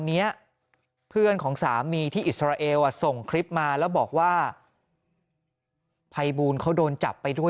เนี้ยเพื่อนของสามีที่อิสราเอลส่งคลิปมาแล้วบอกว่าภัยบูลเขาโดนจับไปด้วย